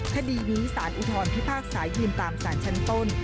คดีนี้สารอุทธรพิพากษายืนตามสารชั้นต้น